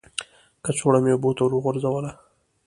کڅوړه مې اوبو ته ور وغورځوله.